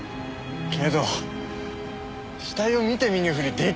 けど死体を見て見ぬふりできねえよ。